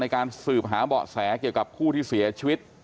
การสืบหาเบาะแสเกี่ยวกับผู้ที่เสียชีวิต